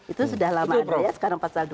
itu sudah lama ada ya sekarang pasal dua